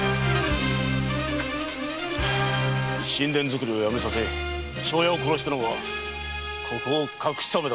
新田作りをやめさせ庄屋を殺したのはここを隠すためだったんだな？